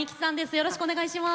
よろしくお願いします。